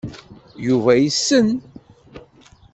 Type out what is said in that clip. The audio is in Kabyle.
Yuba yessen.